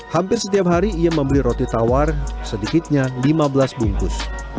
hampir setiap hari ia membeli roti tawar sedikitnya lima belas bungkus